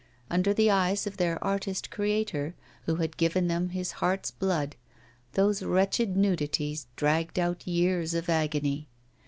Under the eyes of their artist creator, who had given them his heart's blood, those wretched nudities dragged out years of agony.